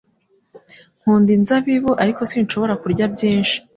Nkunda inzabibu ariko sinshobora kurya byinshi